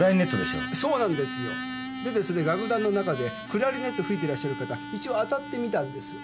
楽団の中でクラリネット吹いてらっしゃる方一応当たってみたんです。